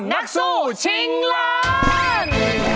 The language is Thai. นักสู้ชิงล้าน